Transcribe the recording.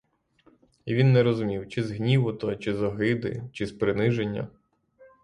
І він не розумів, чи з гніву то, чи з огиди, чи з приниження.